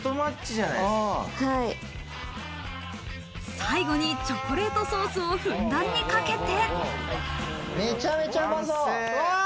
最後に、チョコレートソースをふんだんにかけて。